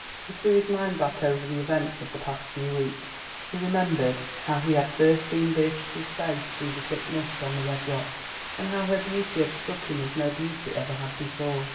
He threw his mind back over the events of the past few weeks. He remembered how he had first seen Beatrice's face through the thick mist on the Red Rocks, and how her beauty had struck him as no beauty ever had before.